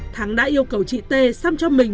thắng đã yêu cầu chị t xăm cho mình